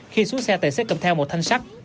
khi xuống xe tài xế cầm theo một thanh sắt